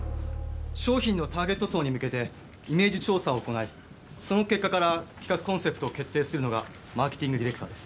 商品のターゲット層に向けてイメージ調査を行いその結果から企画コンセプトを決定するのがマーケティングディレクターです。